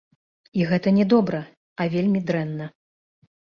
І гэта не добра, а вельмі дрэнна.